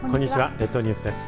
列島ニュースです。